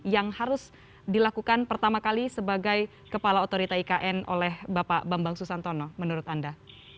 yang harus dilakukan pertama kali sebagai kepala otorita ikn oleh bapak bambang susantono menurut anda